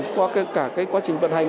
qua cả quá trình vận hành